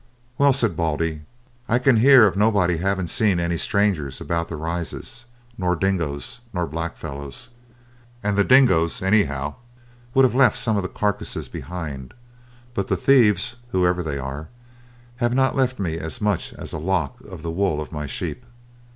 "Well," said Baldy, "I can hear of nobody having seen any strangers about the Rises, nor dingoes, nor black fellows. And the dingoes, anyhow, would have left some of the carcases behind; but the thieves, whoever they are, have not left me as much as a lock of the wool of my sheep.